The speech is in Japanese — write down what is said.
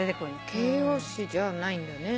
形容詞じゃないんだね。